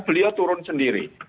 beliau turun sendiri